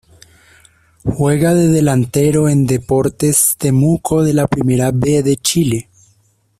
Juega de delantero en Deportes Temuco de la Primera B de Chile.